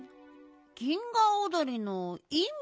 銀河おどりのいみ？